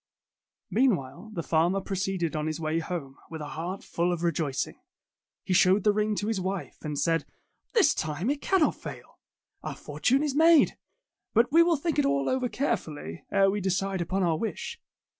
Meanwhile the farmer proceeded on his way home, with a heart full of rejoicing. He showed the ring to his wife, and said, "This time it cannot fail! Our fortune is made. But we will think it all over care fully, ere we decide upon our wish."